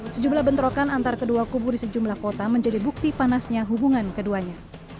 sejumlah bentrokan antara kedua kubu di sejumlah kota menjadi bukti panasnya hubungan keduanya